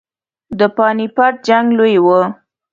د پاني پټ جنګ لوی وو.